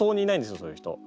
そういう人。